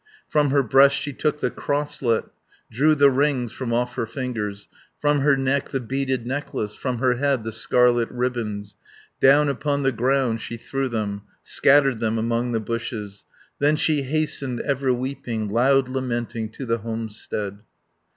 30 From her breast she took the crosslet, Drew the rings from off her fingers, From her neck the beaded necklace, From her head the scarlet ribands. Down upon the ground she threw them, Scattered them among the bushes; Then she hastened, ever weeping, Loud lamenting, to the homestead.